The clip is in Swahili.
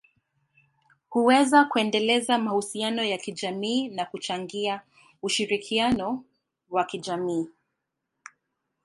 huweza kuendeleza mahusiano ya kijamii na kuchangia ushirikiano wa kijamii.